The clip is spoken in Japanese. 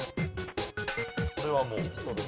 これはもう。